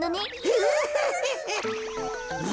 フフフフフ。